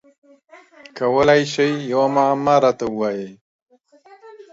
کولای شی یوه معما راته ووایی؟